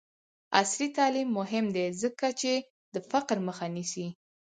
عصري تعلیم مهم دی ځکه چې د فقر مخه نیسي.